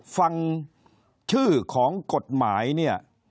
ฟังชื่อของกฎหมายเนี่ย